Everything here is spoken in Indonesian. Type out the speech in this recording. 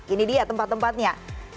ini dia tempat tempatnya